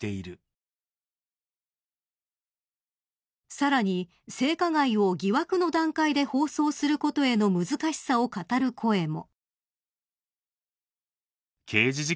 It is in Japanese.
更に、性加害を疑惑の段階で放送することへの難しさを語る声も。